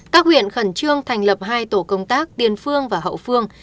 các huyện khẩn trương thành lập hai tổ công tác tiên phương và hậu phương